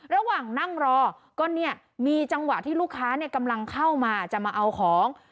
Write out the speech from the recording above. ระหว่างนั่งรอก็เนี่ยมีจังหวะที่ลูกค้ากำลังเข้ามาจะมาเอาของ